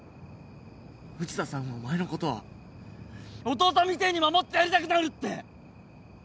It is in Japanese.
藤田さんはお前のことは弟みてえに守ってやりたくなるって！